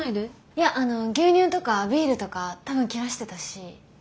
いやあの牛乳とかビールとか多分切らしてたし。